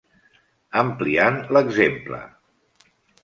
Ampliant l'exemple.